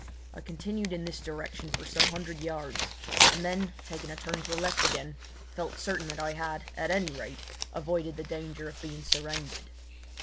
I continued in this direction for some hundred yards, and then, making a turn to the left again, felt certain that I had, at any rate, avoided the danger of being surrounded.